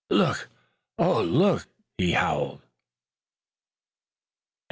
"Look! Oh, look!" he howled.